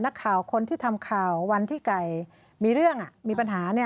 คนที่ทำข่าววันที่ไก่มีเรื่องมีปัญหา